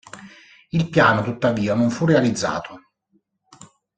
Il piano tuttavia non fu realizzato.